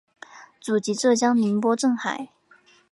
祖籍浙江宁波镇海。